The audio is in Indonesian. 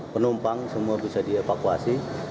penumpang semua bisa dievakuasi